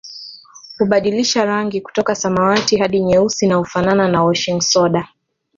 Hubadilisha rangi kutoka samawati hadi nyeusi na kufanana na washing soda